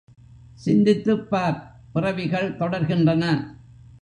சிந்தித்துப்பார் பிறவிகள் தொடர் கின்றன.